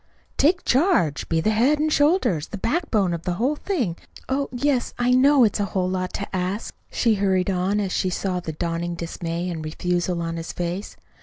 "Take charge. Be the head and shoulders, the backbone of the whole thing. Oh, yes, I know it's a whole lot to ask," she hurried on, as she saw the dawning dismay and refusal in his face.